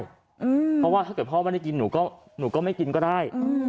เพราะว่าถ้าเกิดพ่อไม่ได้กินหนูก็ไม่กินก็ได้